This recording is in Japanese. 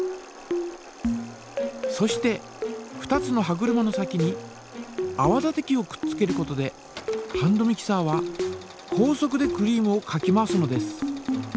そして２つの歯車の先にあわ立て器をくっつけることでハンドミキサーは高速でクリームをかき回すのです。